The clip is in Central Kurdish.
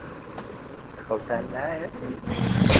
خەوتان نایەت؟